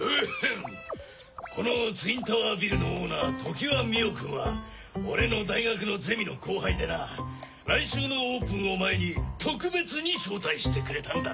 このツインタワービルのオーナー常磐美緒君は俺の大学のゼミの後輩でな来週のオープンを前に特別に招待してくれたんだ。